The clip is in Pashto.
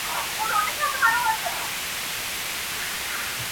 د ودانیو معمارانو ته ځي!